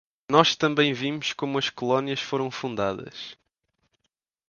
Nós também vimos como as colônias foram fundadas.